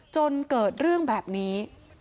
จนเกิดเรื่องแบบนี้